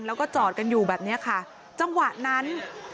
แล้วก็จอดกันอยู่แบบเนี้ยค่ะจังหวะนั้น